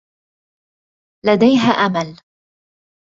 لديها أمل.